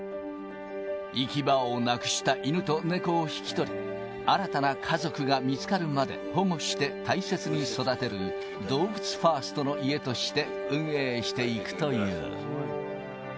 行き場をなくした犬と猫を引き取り、新たな家族が見つかるまで保護して大切に育てる、どうぶつファーストの家として、運営していくという。